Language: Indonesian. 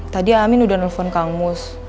tadi amin udah nelfon kang mus